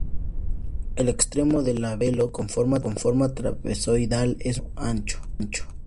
El extremo del labelo con forma trapezoidal es muy ancho.